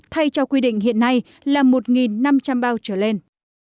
thay cho quy định hiện nay là một năm trăm linh bao trở lên